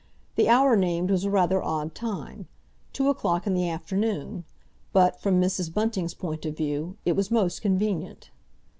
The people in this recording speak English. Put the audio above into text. The hour named was a rather odd time—two o'clock in the afternoon, but, from Mrs. Bunting's point of view, it was most convenient.